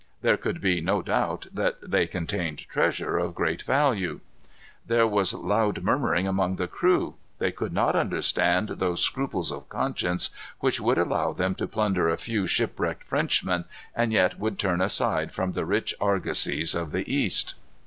There could be no doubt that they contained treasure of great value. There was loud murmuring among the crew. They could not understand those scruples of conscience which would allow them to plunder a few shipwrecked Frenchmen, and yet would turn aside from the rich argosies of the East.